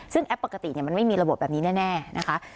ซึ่งแอปปกติมันไม่มีระบบแบบนี้แน่นะคะ